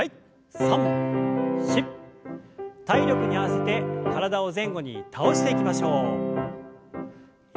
体力に合わせて体を前後に倒していきましょう。